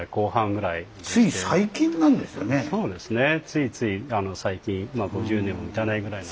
ついつい最近５０年も満たないぐらい。